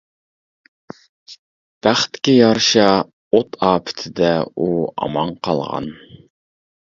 بەختكە يارىشا، ئوت ئاپىتىدە ئۇ ئامان قالغان.